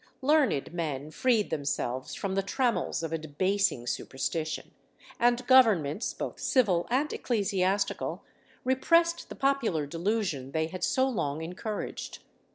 Learned men freed themselves from the trammels of a debasing superstition, and governments, both civil and ecclesiastical, repressed the popular delusion they had so long encouraged.